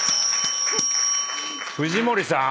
藤森さん？